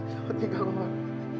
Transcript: sabar tinggal kak